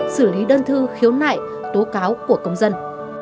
xử lý đơn thư khiếu nại tố cáo của công dân